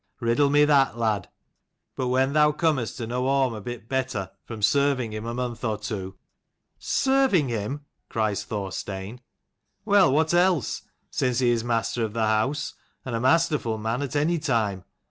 Riddle me that, lad. But when thou comest to know Orm a bit better, from serving him a month or two "" Serving him ?" cries Thorstein. "Well, what else? since he is master of the house, and a masterful man at any time.